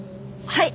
はい！